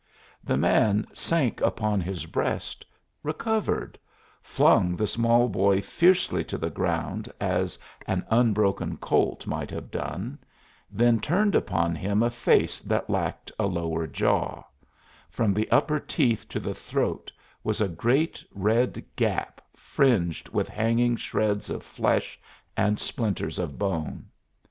The man sank upon his breast, recovered, flung the small boy fiercely to the ground as an unbroken colt might have done, then turned upon him a face that lacked a lower jaw from the upper teeth to the throat was a great red gap fringed with hanging shreds of flesh and splinters of bone.